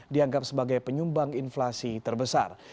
dianggap sebagai penyumbang inflasi terbesar